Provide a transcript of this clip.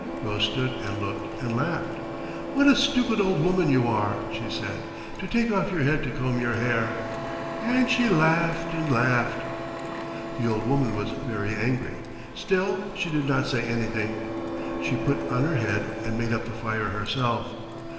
Rose stood and looked and laughed. "What a stupid old woman you are," she said, "to take off your head to comb your hair!" and she laughed and laughed. The old woman was very angry. Still she did not say anything. She put on her head and made up the fire herself.